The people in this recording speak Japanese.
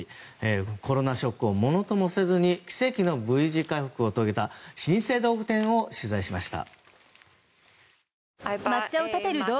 コロナショックをものともせずに奇跡のＶ字回復を遂げた老舗道具店を取材しました。